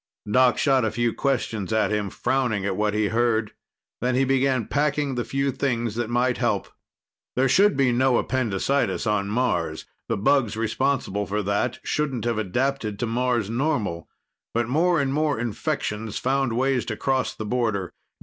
Doc shot a few questions at him, frowning at what he heard. Then he began packing the few things that might help. There should be no appendicitis on Mars. The bugs responsible for that shouldn't have adapted to Mars normal. But more and more infections found ways to cross the border.